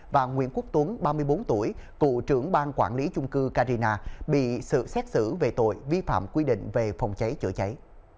và nguyễn quốc tuấn ba mươi bốn tuổi cựu trưởng ban quản lý chung cư carina bị sự xét xử về tội vi phạm quy định về phòng cháy chữa cháy